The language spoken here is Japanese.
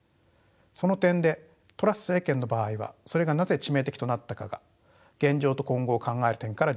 その点でトラス政権の場合はそれがなぜ致命的となったかが現状と今後を考える点から重要です。